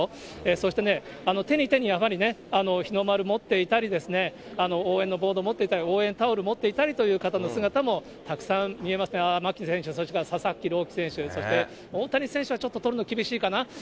そしてね、手に手にやはり日の丸持っていたり、応援のボード持っていたり、応援タオルを持っていたりする方の姿もたくさん見えますが、ああ、牧選手、それから佐々木朗希選手、大谷選手はちょっと取るの、厳しいかな。